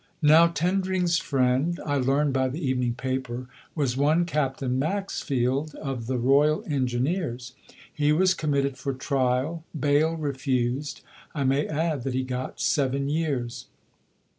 Now Tendring's friend, I learned by the evening paper, was one Captain Maxfield of the Royal Engineers. He was committed for trial, bail refused. I may add that he got seven years.